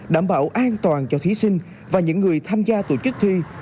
đảm bảo an toàn cho thí sinh và những người tham gia tổ chức thi